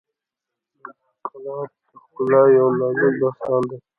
ګلاب د ښکلا یو نازک داستان دی.